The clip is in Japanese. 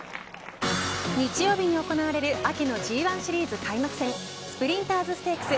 日曜日に行われる秋のＧ１シリーズ開幕戦スプリンターズステークス。